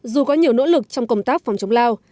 dù có nhiều nỗ lực trong công tác phòng chống lao